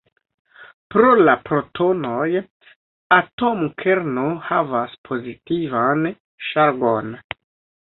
Pro la protonoj, atomkerno havas pozitivan ŝargon.